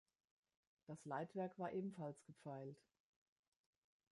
Das Leitwerk war ebenfalls gepfeilt.